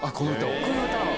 この歌を？